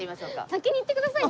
先に行ってください。